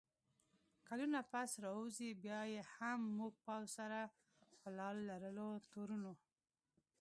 کلونه پس راووځي، بیا یې هم موږ پوځ سره په لار لرلو تورنوو